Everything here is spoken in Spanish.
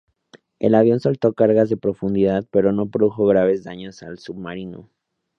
El avión soltó cargas de profundidad, pero no produjo graves daños al submarino.